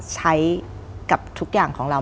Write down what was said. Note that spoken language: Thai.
ใช้กับทุกอย่างของเรา